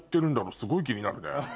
すごい気になるね。